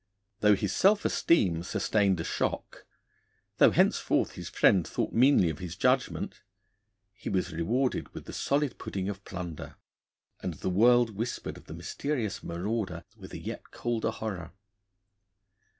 Though his self esteem sustained a shock, though henceforth his friend thought meanly of his judgment, he was rewarded with the solid pudding of plunder, and the world whispered of the mysterious marauder with a yet colder horror.